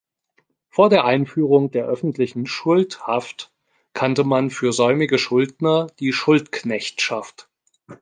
Vor der Einführung der öffentlichen Schuldhaft kannte man für säumige Schuldner die Schuldknechtschaft.